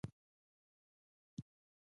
دوستۍ ته احترام ضروري دی.